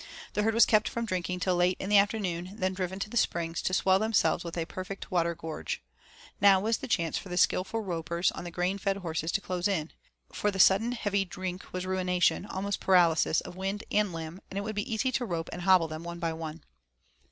The herd was kept from drinking till late in the afternoon and then driven to the Springs to swell themselves with a perfect water gorge. Now was the chance for the skilful ropers on the grain fed horses to close in, for the sudden heavy drink was ruination, almost paralysis, of wind and limb, and it would be easy to rope and hobble them one by one.